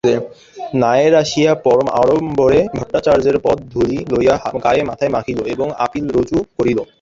নায়েব আসিয়া পরম আড়ম্বরে ভট্টাচার্যের পদধূলি লইয়া গায়ে মাথায় মাখিল এবং আপিল রুজু করিল।